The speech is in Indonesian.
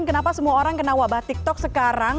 kenapa semua orang kena wabah tiktok sekarang